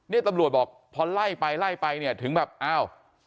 เนี่ยตำรวจบอกพอไล่ไปไล่ไปเนี่ยถึงแบบอ้าว